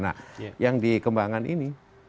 nah yang di kembangan ini